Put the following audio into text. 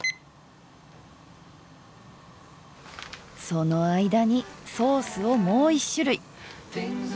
その間にソースをもう一種類。